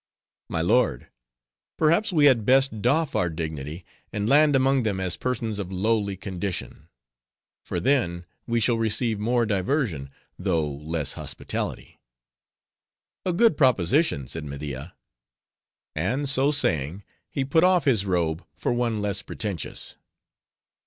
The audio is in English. My lord, perhaps we had best doff our dignity, and land among them as persons of lowly condition; for then, we shall receive more diversion, though less hospitality." "A good proposition," said Media. And so saying, he put off his robe for one less pretentious.